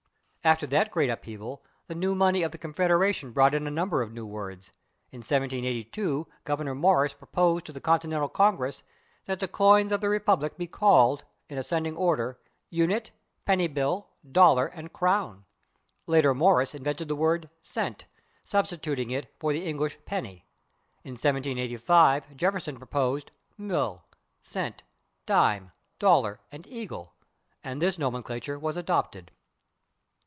After that great upheaval the new money of the confederation brought in a number of new words. In 1782 Gouverneur Morris proposed to the Continental Congress that the coins of the republic be called, in ascending order, /unit/, /penny bill/, /dollar/ and /crown/. Later Morris invented the word /cent/, substituting it for the English /penny/. In 1785 Jefferson proposed /mill/, /cent/, /dime/, /dollar/ and /eagle/, and this nomenclature was adopted.